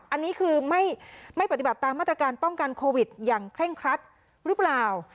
อันนี้คือไม่ปฏิบัติตามมาตรการป้องกันโควิดอย่างเคร่งครัดหรือเปล่า